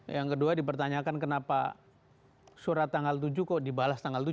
yang kedua dipertanyakan kenapa surat tanggal tujuh kok dibalas tanggal tujuh